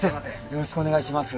よろしくお願いします。